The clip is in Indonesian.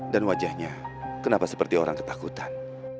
dan wajahnya kenapa seperti orang ketakutan